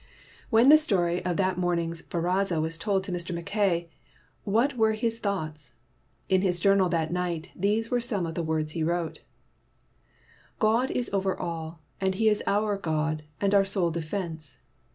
When the story of that morning's haraza was told Mr. Mackay, what were his thoughts? In his journal that night, these were some of the words he wrote : "God is over all, and he is our God and our sole defense.